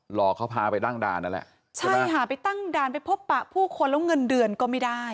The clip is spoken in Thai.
หลอกเขาพาไปตั้งด่านนั่นแหละใช่ค่ะไปตั้งด่านไปพบปะผู้คนแล้วเงินเดือนก็ไม่ได้